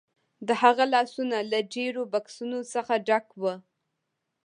د هغه لاسونه له ډیرو بکسونو څخه ډک وو